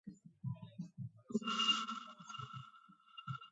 ცოცხალი ორგანიზმის სხეულს ფიზიოლოგია შეისწავლის.